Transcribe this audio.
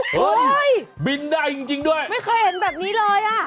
เฮ้ยบินได้จริงด้วยไม่เคยเห็นแบบนี้เลยอ่ะ